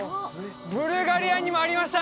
ブルガリアにもありました